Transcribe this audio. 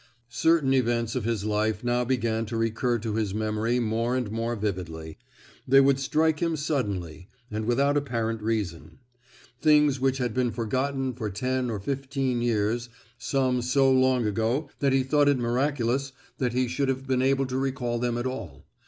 Certain events of his life now began to recur to his memory more and more vividly; they would strike him suddenly, and without apparent reason: things which had been forgotten for ten or fifteen years—some so long ago that he thought it miraculous that he should have been able to recall them at all.